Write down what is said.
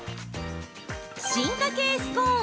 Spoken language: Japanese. ◆進化系スコーン